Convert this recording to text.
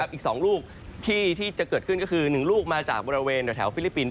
อีก๒ลูกที่จะเกิดขึ้นก็คือ๑ลูกมาจากบริเวณแถวฟิลิปปินส